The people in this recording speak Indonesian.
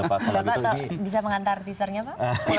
bapak bisa mengantar teasernya pak